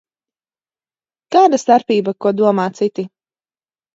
Kāda starpība, ko domā citi?